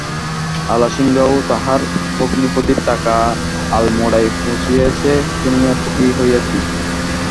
আলাসিঙ্গা ও তাহার ভগিনীপতির টাকা আলমোড়ায় পৌঁছিয়াছে শুনিয়া সুখী হইয়াছি।